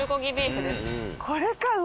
これか！